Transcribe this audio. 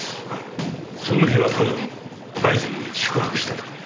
その日は多分会津に宿泊しただろう。